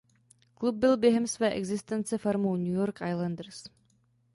Klub byl během své existence farmou New Yorku Islanders.